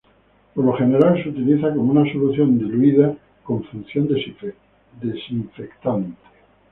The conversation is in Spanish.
Por lo general se utiliza como una solución diluida con función desinfectante.